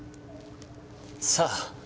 さあ